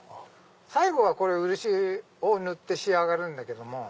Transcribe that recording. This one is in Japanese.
最後は漆を塗って仕上げるんだけども。